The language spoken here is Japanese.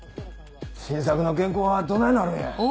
新作の原稿はどないなるんや？